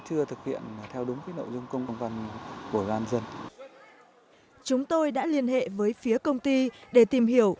chúng tôi đã liên hệ với phía công ty để tìm hiểu